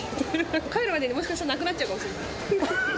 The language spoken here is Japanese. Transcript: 帰るまでにもしかしたらなくなっちゃうかもしれない。